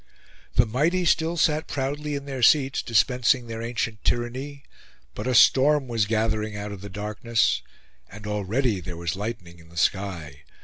The mighty still sat proudly in their seats, dispensing their ancient tyranny; but a storm was gathering out of the darkness, and already there was lightning in the sky.